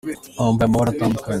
Bambaye amabara atandukanye.